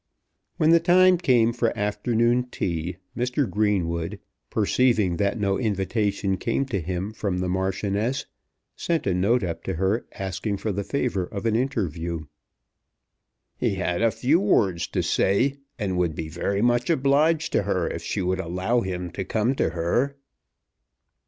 When the time came for afternoon tea Mr. Greenwood, perceiving that no invitation came to him from the Marchioness, sent a note up to her asking for the favour of an interview. "He had a few words to say, and would be much obliged to her if she would allow him to come to her."